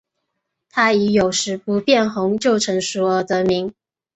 它以有时不变红就成熟而得名。